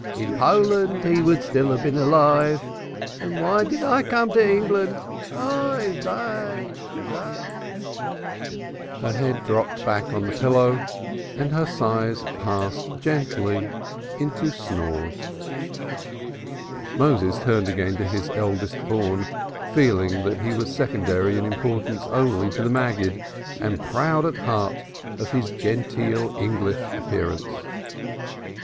In Poland he would still have been alive. And why did I come to England? Woe! Woe'" Her head dropped back on the pillow and her sighs passed gently into snores. Moses turned again to his eldest born, feeling that he was secondary in importance only to the Maggid, and proud at heart of his genteel English appearance.